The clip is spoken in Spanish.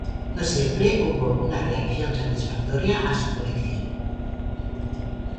No siempre hubo una reacción satisfactoria a su colección.